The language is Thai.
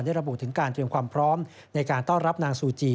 ระบุถึงการเตรียมความพร้อมในการต้อนรับนางซูจี